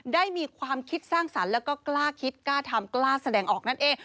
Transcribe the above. ได้มีความคิดสร้างสรรค์แล้วก็กล้าคิดกล้าทำกล้าแสดงออกนั่นเอง